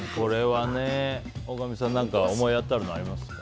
大神さん何か思い当たるのありますか？